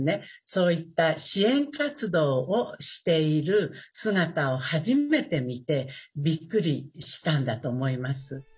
そういった支援活動をしている姿を初めて見てびっくりしたんだと思います。